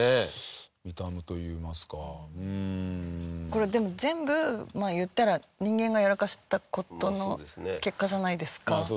これでも全部まあ言ったら人間がやらかした事の結果じゃないですか。